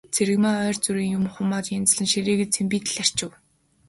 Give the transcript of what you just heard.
Цэрэгмаа ойр зуурын юм, хумаа янзлан ширээгээ цэмбийтэл арчив.